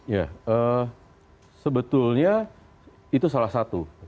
ya sebetulnya itu salah satu